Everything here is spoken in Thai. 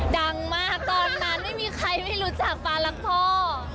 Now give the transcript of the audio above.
ดังมากตอนนั้นไม่มีใครไม่รู้จักปลารักพ่อ